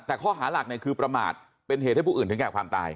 แต่ข้อหาหลักเนี่ยคือประมาทเป็นเหตุให้ผู้อื่นถึงแก่ความตาย